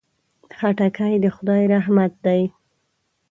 خټکی د خدای رحمت دی.